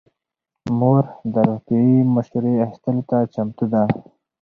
مور د روغتیايي مشورې اخیستلو ته چمتو ده.